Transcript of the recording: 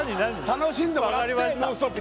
楽しんでもらって「ノンストップ！」